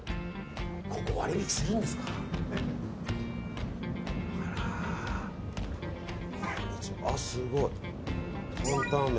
ここ割引してるんですかね。